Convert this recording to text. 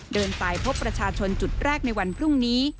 เดินไปพบประชาชนจุดแรกในวันพรุ่งนี้